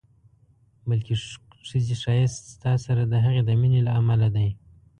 بلکې ښځې ښایست ستا سره د هغې د مینې له امله دی.